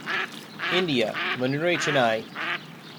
India - Mannure, Chennai.